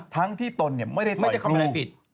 ทั้งที่ตนไม่ได้ต่อยครู